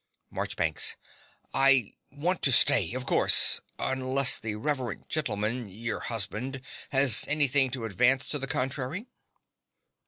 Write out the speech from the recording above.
MARCHBANKS. I want to stay, of course unless the reverend gentleman, your husband, has anything to advance to the contrary.